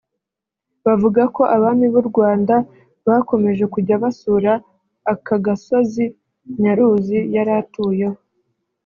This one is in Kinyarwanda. bavuga ko abami b’u Rwanda bakomeje kujya basura aka gasozi Nyaruzi yari atuyeho